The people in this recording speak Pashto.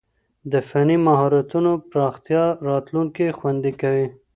د فني مهارتونو پراختيا راتلونکی خوندي کوي.